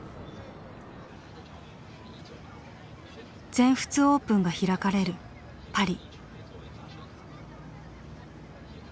全仏オープンが開かれるパリ。